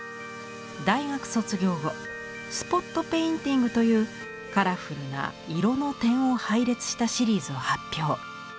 大学卒業後「スポット・ペインティング」というカラフルな色の点を配列したシリーズを発表。